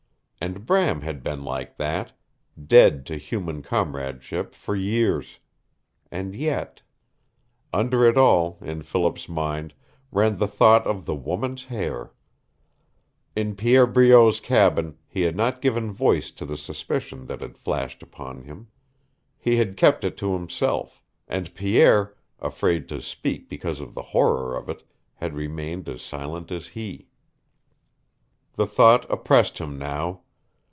And Bram had been like that dead to human comradeship for years. And yet Under it all, in Philip's mind, ran the thought of the woman's hair. In Pierre Breault's cabin he had not given voice to the suspicion that had flashed upon him. He had kept it to himself, and Pierre, afraid to speak because of the horror of it, had remained as silent as he. The thought oppressed him now.